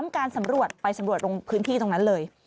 การสำรวจไปสำรวจลงพื้นที่ตรงนั้นเลย